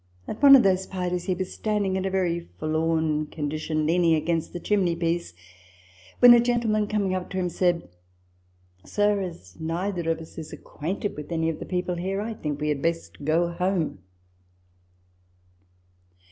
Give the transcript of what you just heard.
At one of those parties he was standing in a very forlorn condition, leaning against the chimney piece, when a gentleman, coming up to him, said, " Sir, as neither of us is acquainted with any of the people here, I think we had best go home."